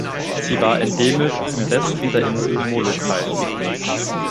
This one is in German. Sie war endemisch im Westen der Insel Molokai.